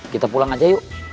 kita pulang aja yuk